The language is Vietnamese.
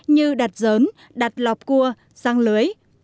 như đặt dớn đặt lọc cua răng lưới